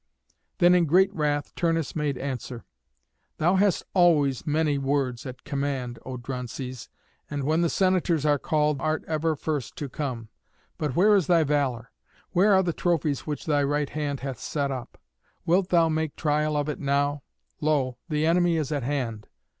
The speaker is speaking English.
Then in great wrath Turnus made answer, "Thou hast always many words at command, O Drances, and, when the senators are called, art ever the first to come. But where is thy valour? Where are the trophies which thy right hand hath set up? Wilt thou make trial of it now? Lo! the enemy is at hand.